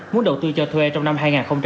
muốn đầu tư cho thuê trong năm hai nghìn hai mươi